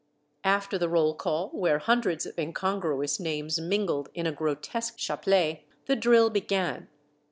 After the roll call, where hundreds of incongruous names mingled in a grotesque chaplet, the drill began.